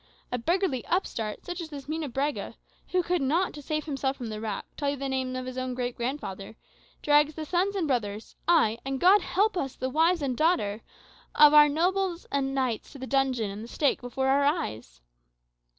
A beggarly upstart, such as this Munebrãga, who could not, to save himself from the rack, tell you the name of his own great grandfather, drags the sons and brothers ay, and God help us! the wives and daughters of our knights and nobles to the dungeon and the stake before our eyes.